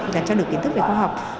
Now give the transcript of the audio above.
và cho được kiến thức về khoa học